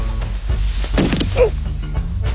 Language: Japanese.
うっ！